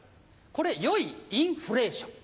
これ良いインフレーション。